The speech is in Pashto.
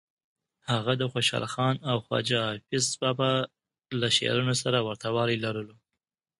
هغه د خوشحال خان او خواجه حافظ بابا له شعرونو سره ورته والی لرلو.